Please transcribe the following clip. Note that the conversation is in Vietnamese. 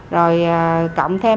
rồi cộng thêm